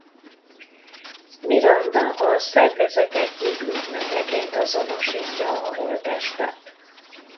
Miranda a szervezet egyik ügynökeként azonosítja a holttestet.